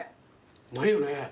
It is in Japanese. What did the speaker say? うまいよね。